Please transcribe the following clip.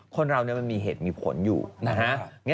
คนเรามันมีเหตุมีผลอยู่นะฮะ